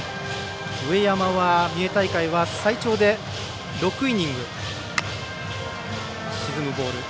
上山は三重大会は最長で６イニング。